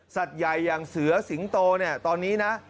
ใหญ่อย่างเสือสิงโตเนี่ยตอนนี้นะ